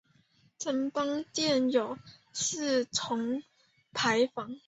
城隍庙有四重牌坊。